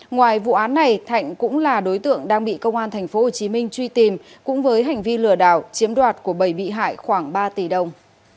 ngoài vụ án này thạnh cũng là đối tượng đang bị công an thành phố hồ chí minh truy tìm cũng với hành vi lừa đảo chiếm đoạt của bảy bị hại khoảng ba tỷ đồng